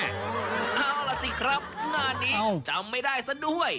เอาล่ะสิครับงานนี้จำไม่ได้ซะด้วย